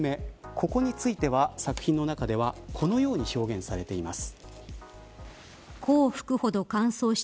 ここについては作品の中ではこのように表現されています。